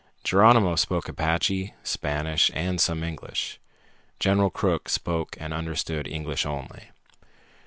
Geronimo spoke Apache, Spanish, and some English. General Crook spoke and understood English only.